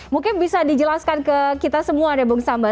mungkin bisa dijelaskan ke kita semua ya bung sambah